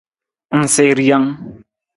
Ng sii rijang.